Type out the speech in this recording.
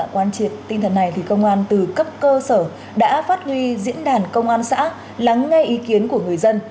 quán triệt tinh thần này thì công an từ cấp cơ sở đã phát huy diễn đàn công an xã lắng nghe ý kiến của người dân